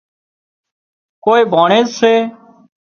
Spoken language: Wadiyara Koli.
ڪوئي ڀانڻيز سي